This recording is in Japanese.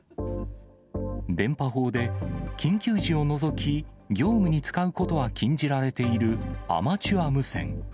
電波法で、緊急時を除き、業務に使うことは禁じられているアマチュア無線。